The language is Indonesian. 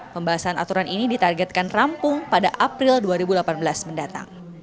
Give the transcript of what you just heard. pembahasan aturan ini ditargetkan rampung pada april dua ribu delapan belas mendatang